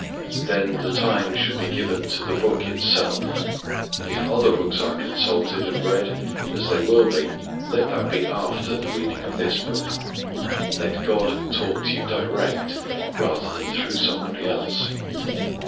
Then the time should be given to the Book itself. If other books are consulted and read as they will be let that be after the reading of this Book. Let God talk to you direct, rather than through somebody else.